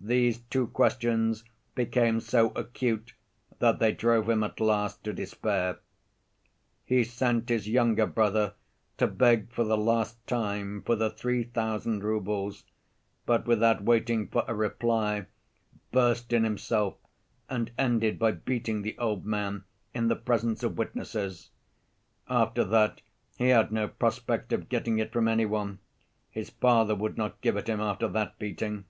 These two questions became so acute that they drove him at last to despair. He sent his younger brother to beg for the last time for the three thousand roubles, but without waiting for a reply, burst in himself and ended by beating the old man in the presence of witnesses. After that he had no prospect of getting it from any one; his father would not give it him after that beating.